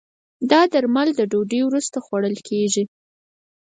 دا درمل د ډوډی وروسته خوړل کېږي.